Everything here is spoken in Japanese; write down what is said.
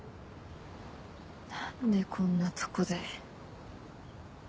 なんでこんなとこで。